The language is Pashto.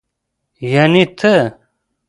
يعنې ته.